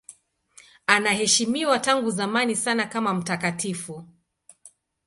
Anaheshimiwa tangu zamani sana kama mtakatifu.